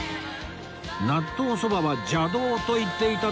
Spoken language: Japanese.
納豆そばは邪道と言っていた徳さん